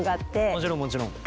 もちろんもちろん。